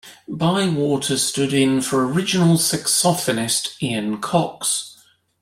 Bywater stood in for original saxophonist Ian Cox.